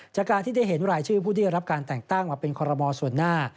จากการที่ได้เห็นรายชื่อผู้ที่ได้รับการแต่งตั้งมาเป็นคอรมอส่วนหน้า